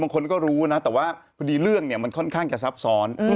คนก็รู้นะแต่ว่าพอดีเรื่องเนี่ยมันค่อนข้างจะซับซ้อน